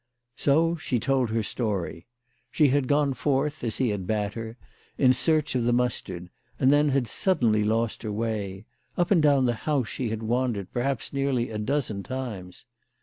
So she told her story. She had gone forth, as he had bade her, in search of the mustard, and then had suddenly lost her way. Up and down the house she had wandered, perhaps nearly a dozen times.